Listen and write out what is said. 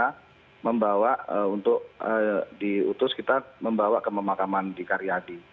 direktur kemudian segera membawa untuk diutus kita membawa ke pemakaman di karyadi